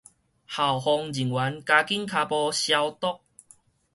校方人員加緊跤步消毒